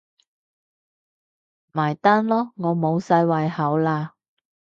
埋單囉，我無晒胃口喇